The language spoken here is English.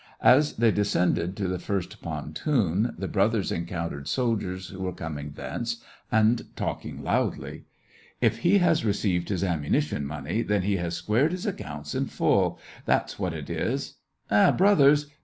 As they descended to the first pontoon, the brothers encountered soldiers who were coming thence, and talking loudly. " If he has received his ammunition money, then he has squared his accounts in full — that's what it is !"" Eh, brothers